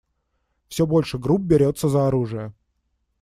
Все больше групп берется за оружие.